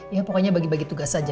ya pokoknya bagi bagi tugas saja